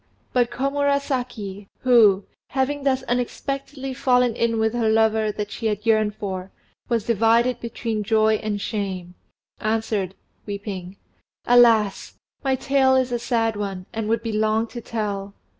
But Komurasaki who, having thus unexpectedly fallen in with her lover that she had yearned for, was divided between joy and shame answered, weeping "Alas! my tale is a sad one, and would be long to tell.